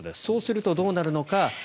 そうするとどうなるのか